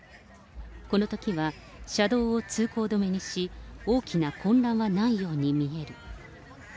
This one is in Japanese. このときは、車道を通行止めにし、大きな混乱はないように見える。